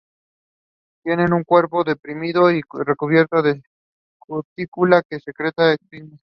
Tienen el cuerpo deprimido y recubierto de una cutícula que secreta la epidermis.